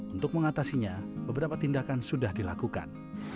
untuk mengatasinya beberapa tindakan sudah dilakukan